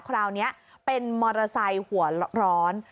คราวนี้เป็นมอเตอร์ไซค์หัวร้อน